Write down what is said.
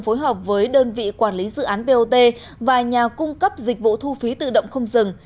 phối hợp với đơn vị quản lý dự án bot và nhà cung cấp dịch vụ thu phí tự động không dừng